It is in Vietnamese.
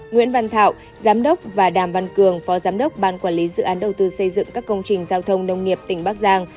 nguyễn văn thảo giám đốc và đàm văn cường phó giám đốc ban quản lý dự án đầu tư xây dựng các công trình giao thông nông nghiệp tỉnh bắc giang